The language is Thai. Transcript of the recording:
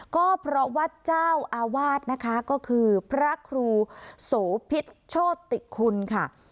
ก็เพราะว่าเจ้าอาวาสนะคะก็คือพระครูโสพิษโชติคุณค่ะ